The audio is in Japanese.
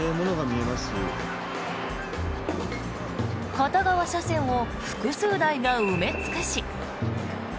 片側車線を複数台が埋め尽くし。